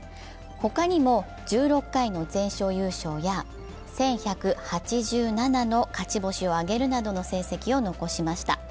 他にも１６回の全勝優勝や１１８７の勝ち星を挙げるなどの成績を残しました。